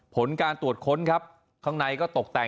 ผลการตรวจค้นครับข้างในก็ตกแต่ง